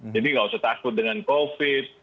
jadi nggak usah takut dengan covid